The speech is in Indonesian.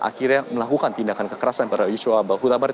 akhirnya melakukan tindakan kekerasan pada yosho akutabara